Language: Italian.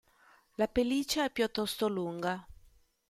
La pelliccia è piuttosto lunga.